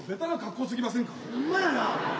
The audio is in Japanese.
ほんまやな。